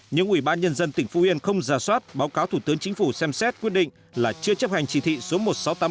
nhưng ubnd tỉnh phú yên không ra soát báo cáo thủ tướng chính phủ xem xét quyết định là chưa chấp hành chỉ thị số một nghìn sáu trăm tám mươi năm